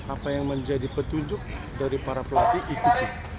apa yang menjadi petunjuk dari para pelatih ikuti